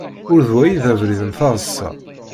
Ur d wa i d abrid n taḍsa.